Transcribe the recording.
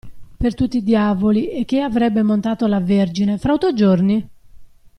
Per tutti i diavoli e chi avrebbe montato la Vergine, fra otto giorni?